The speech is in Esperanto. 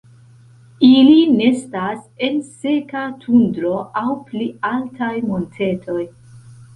Ili nestas en seka tundro aŭ pli altaj montetoj.